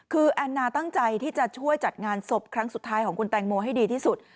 คือแอนนาตั้งใจที่จะช่วยจัดงานศพครั้งสุดท้ายของคุณแตงโมให้ดีที่สุด